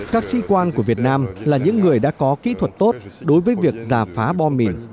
các sĩ quan của việt nam là những người đã có kỹ thuật tốt đối với việc giả phá bom mìn